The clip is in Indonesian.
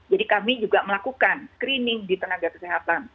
jadi kami juga melakukan screening di tenaga kesehatan